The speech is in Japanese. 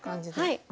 はい。